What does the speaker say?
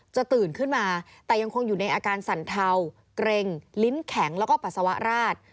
ตื่นขึ้นมาแต่ยังคงอยู่ในอาการสั่นเทาเกร็งลิ้นแข็งแล้วก็ปัสสาวะราด